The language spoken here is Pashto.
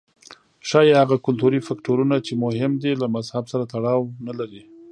ښايي هغه کلتوري فکټورونه چې مهم دي له مذهب سره تړاو نه لري.